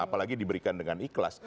apalagi diberikan dengan ikhlas